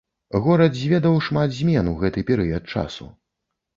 Горад зведаў шмат змен у гэты перыяд часу.